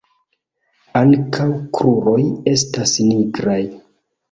Ankaŭ kruroj estas nigraj.